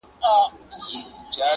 په دې فکر کي خورا په زړه افګار یو!!